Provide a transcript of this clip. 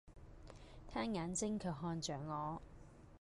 他眼睛卻看着我。